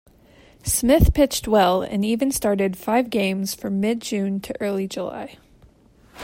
Smith pitched well and even started five games from mid-June to early July.